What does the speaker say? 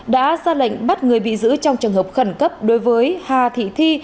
đã ra lệnh bắt người bị giữ trong trường hợp khẩn cấp đối với hà thị thi